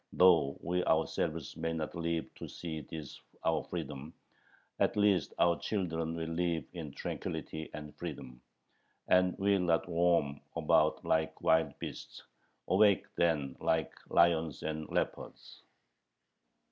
Though we ourselves may not live to see this [our freedom], at least our children will live in tranquillity and freedom, and will not roam about like wild beasts. Awake then like lions and leopards!